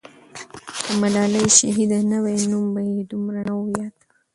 که ملالۍ شهیده نه وای، نوم به یې دومره نه وو یاد.